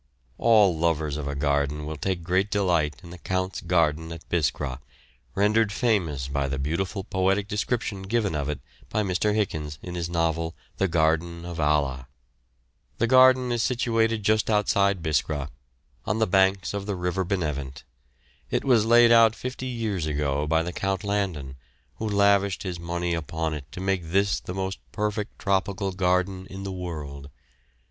All lovers of a garden will take great delight in the Count's garden at Biskra, rendered famous by the beautiful poetic description given of it by Mr. Hichens in his novel the Garden of Allah. The garden is situated just outside Biskra, on the banks of the river Benevent. It was laid out fifty years ago by the Count Landon, who lavished his money upon it to make this the most perfect tropical garden in the world.